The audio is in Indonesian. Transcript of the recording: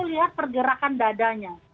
kita lihat pergerakan dadanya